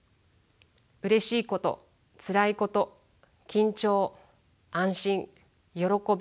うれしいことつらいこと緊張安心喜び達成感